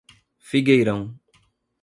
Figueirão